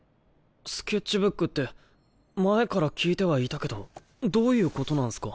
スケッチブックって前から聞いてはいたけどどういうことなんすか？